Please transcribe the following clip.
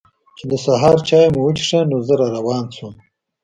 چې د سهار چای مو وڅښه نو زه را روان شوم.